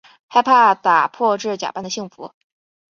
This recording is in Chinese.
害怕打破这假扮的幸福